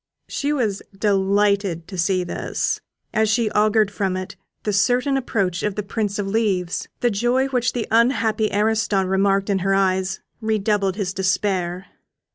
She was delighted to see this, as she augured from it the certain approach of the Prince of Leaves. The joy which the unhappy Ariston remarked in her eyes redoubled his despair.